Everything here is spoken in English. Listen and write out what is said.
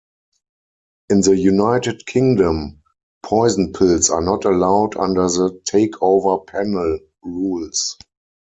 In the United Kingdom, poison pills are not allowed under the Takeover Panel rules.